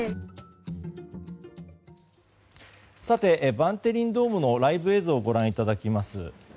バンテリンドームのライブ映像をご覧いただきます。